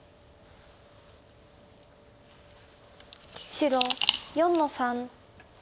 白４の三。